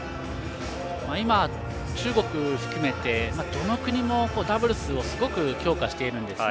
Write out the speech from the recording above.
今、中国含めてどの国もダブルスをすごく強化してるんですね。